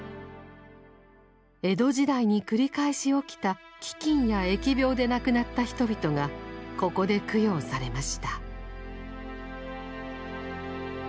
江戸時代に繰り返し起きた飢饉や疫病で亡くなった人々がここで供養されました。